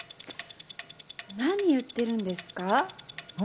何を言っているんですか？